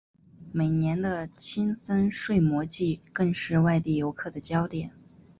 每年的青森睡魔祭更是外地游客的焦点。